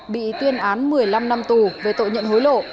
bị tuyên án một mươi năm năm tù về tội nhận hối lộ